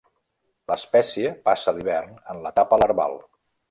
L'espècie passa l'hivern en l'etapa larval.